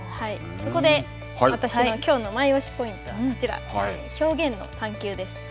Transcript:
ここで私のきょうのマイオシポイントは、表現の探究です。